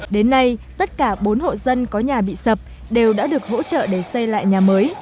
đến nay tất cả bốn hộ dân có nhà bị sập đều đã được hỗ trợ để xây lại nhà mới